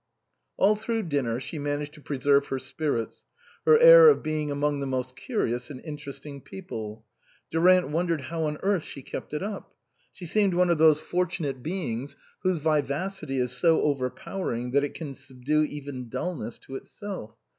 All through dinner she managed to preserve her spirits, her air of being among the most curious and interesting people. Durant won dered how on earth she kept it up. She seemed one of those fortunate beings whose vivacity is so overpowering that it can subdue even dulness to itself.